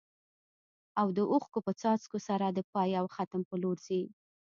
او د اوښکو په څاڅکو سره د پای او ختم په لور ځي.